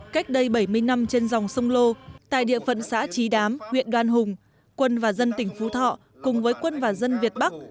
cách đây bảy mươi năm trên dòng sông lô tại địa phận xã trí đám huyện đoan hùng quân và dân tỉnh phú thọ cùng với quân và dân việt bắc